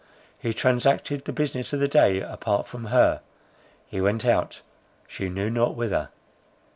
He transacted the business of the day apart from her; he went out, she knew not whither.